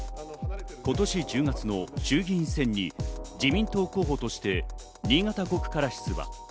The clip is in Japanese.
今年１０月の衆院議員選に自民党候補として新潟５区から出馬。